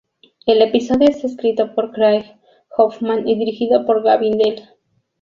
El episodio está escrito por Craig Hoffman y dirigido por Gavin Dell.